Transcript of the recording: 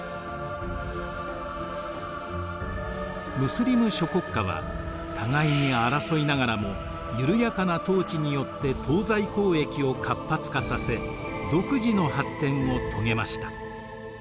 ムスリム諸国家は互いに争いながらも緩やかな統治によって東西交易を活発化させ独自の発展を遂げました。